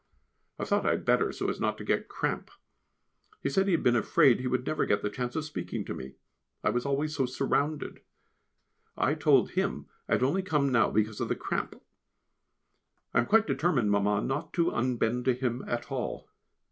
I thought I had better, so as not to get cramp. He said he had been afraid he would never get the chance of speaking to me, I was always so surrounded. I told him I had only come now because of the cramp. I am quite determined, Mamma, not to unbend to him at all.